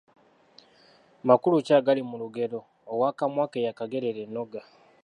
Makulu ki agali mu lugero ‘Ow’akamwa ke yakagerera ennoga'?